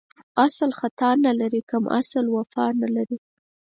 اسل ختا نه لري ، کمسل وفا نه لري.